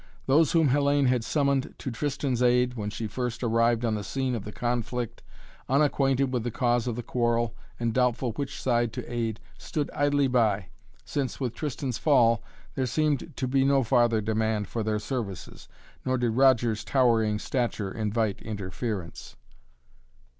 Those whom Hellayne had summoned to Tristan's aid, when she first arrived on the scene of the conflict, unacquainted with the cause of the quarrel and doubtful which side to aid, stood idly by, since with Tristan's fall there seemed to be no farther demand for their services, nor did Roger's towering stature invite interference.